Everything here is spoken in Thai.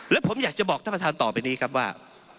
และผมอยากจะบอกท่านประธานต่อไปนี้ครับว่า